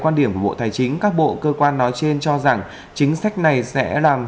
quan điểm của bộ tài chính các bộ cơ quan nói trên cho rằng chính sách này sẽ làm